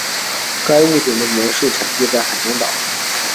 该物种的模式产地在海南岛。